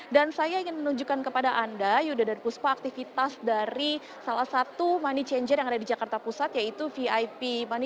dan saya ingin menunjukkan kepada anda iuda dan kuspa aktivitas dari salah satu money changer yang ada di jakarta pusat yaitu vip